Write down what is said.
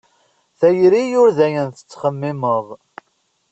Tayri ur d ayen tettxemmimeḍ.